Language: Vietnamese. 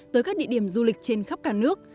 tới các địa điểm du lịch trên khắp cả nước